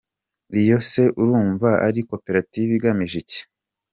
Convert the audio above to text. Iyo se urumva ari koperative igamije iki ?”.